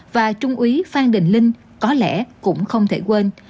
và trung úy phan đình linh có lẽ cũng không thể quên